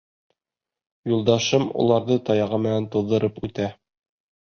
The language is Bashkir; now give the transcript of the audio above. Юлдашым уларҙы таяғы менән туҙҙырып үтә.